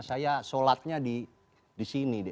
saya sholatnya di sini